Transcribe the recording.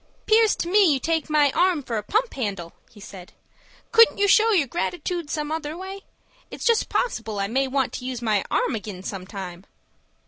"'Pears to me you take my arm for a pump handle," said he. "Couldn't you show your gratitood some other way? It's just possible I may want to use my arm ag'in some time."